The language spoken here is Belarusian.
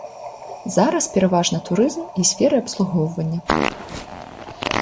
Зараз пераважна турызм і сферы абслугоўвання.